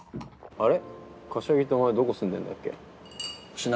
あれ？